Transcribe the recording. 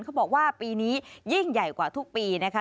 เขาบอกว่าปีนี้ยิ่งใหญ่กว่าทุกปีนะคะ